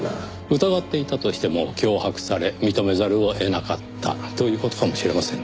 疑っていたとしても脅迫され認めざるを得なかったという事かもしれません。